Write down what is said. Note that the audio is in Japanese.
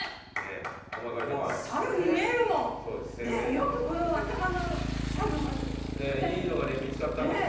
よくこの頭の。いいのが見つかったんですよ。